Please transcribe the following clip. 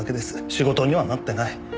仕事にはなってない。